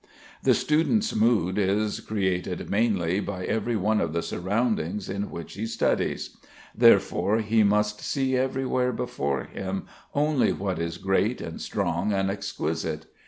The student's mood is created mainly by every one of the surroundings in which he studies; therefore he must see everywhere before him only what is great and strong and exquisite.